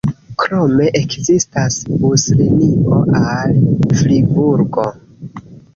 Krome ekzistas buslinio al Friburgo.